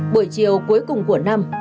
buổi chiều cuối cùng của năm